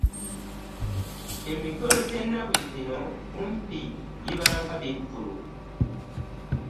Emikolo gy'ennaku zino kumpi giba nga bivvulu.